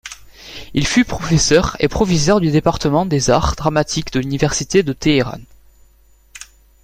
Il fut professeur et proviseur du département des arts dramatiques de l'Université de Téhéran.